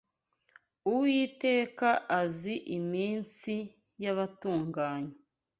Uwiteka azi iminsi y’abatunganye